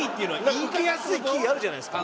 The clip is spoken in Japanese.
ウケやすいキーあるじゃないですか。